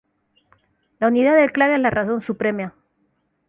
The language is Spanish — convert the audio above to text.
La unidad del clan es la razón suprema.